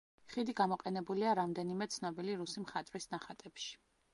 ხიდი გამოყენებულია რამდენიმე ცნობილი რუსი მხატვრის ნახატებში.